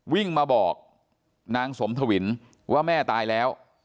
วิ่งมาบอกนางสมทวินว่าแม่ตายแล้ว